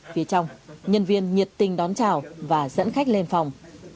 phía trong nhân viên nhiệt tình đón chào và dẫn khách lên phòng